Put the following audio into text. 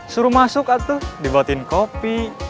suruh masuk atau dibuatin kopi